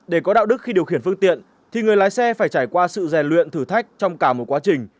để có đạo đức khi điều khiển phương tiện thì người lái xe phải trải qua sự rèn luyện thử thách trong cả một quá trình